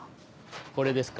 これですか？